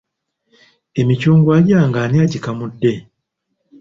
Emicungwa gyange ani agikamudde?